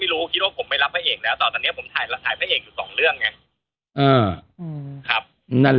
รับแอกสองเรื่องตอนนี้